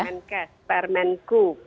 perman k perman ku